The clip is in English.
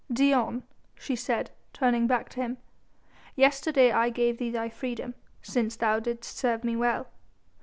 "Dion," she said, turning back to him, "yesterday I gave thee thy freedom, since thou didst serve me well."